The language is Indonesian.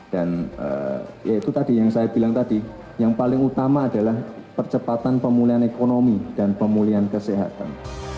dan ya itu tadi yang saya bilang tadi yang paling utama adalah percepatan pemulihan ekonomi dan pemulihan kesehatan